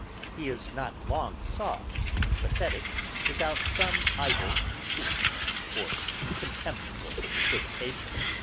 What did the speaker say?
He is not long soft and pathetick without some idle conceit, or contemptible equivocation.